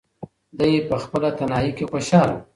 دی په خپل تنهایۍ کې خوشحاله و.